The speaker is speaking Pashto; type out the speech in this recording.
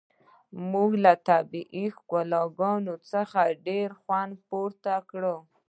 موږ له طبیعي ښکلاګانو څخه ډیر خوند پورته کړ